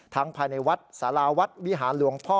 ภายในวัดสาราวัดวิหารหลวงพ่อ